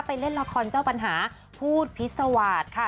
เล่นละครเจ้าปัญหาพูดพิษวาสค่ะ